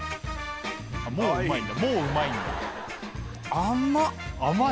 もううまいんだもううまいんだ？甘い？